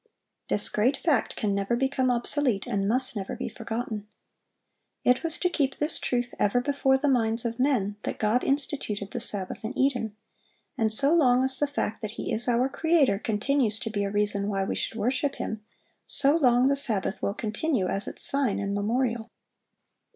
This great fact can never become obsolete, and must never be forgotten."(733) It was to keep this truth ever before the minds of men, that God instituted the Sabbath in Eden; and so long as the fact that He is our Creator continues to be a reason why we should worship Him, so long the Sabbath will continue as its sign and memorial.